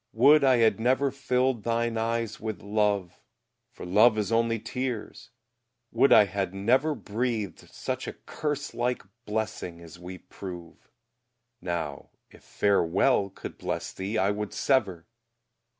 Would I had never filled thine eyes with love, For love is only tears: would I had never Breathed such a curse like blessing as we prove; Now, if "Farewell" could bless thee, I would sever!